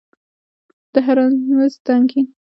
د هرمرز تنګی منځني ختیځ په اقتصاد کې ستر رول لري